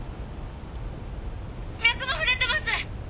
脈も触れてます。